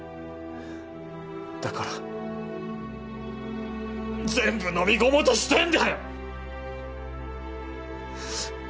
だから全部のみ込もうとしてんだよ！